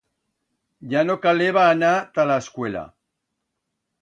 Ya no caleba anar ta la escuela.